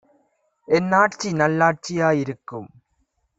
என்னாட்சி நல்லாட்சி யாயி ருக்கும்!